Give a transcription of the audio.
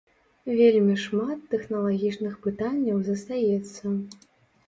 Вельмі шмат тэхналагічных пытанняў застаецца.